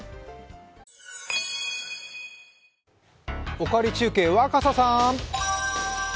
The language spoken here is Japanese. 「おかわり中継」、若狭さーん。